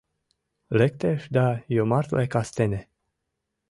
Лектеш да йомартле кастене